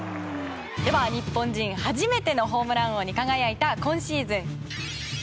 では日本人初めてのホームラン王に輝いた今シーズン。